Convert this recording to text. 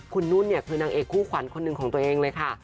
คุณนุ่นเนี่ยคือนางเอกคู่ขวัญคนหนึ่งของตัวเองเลยค่ะ